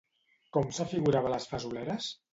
Com s'afigurava les fesoleres?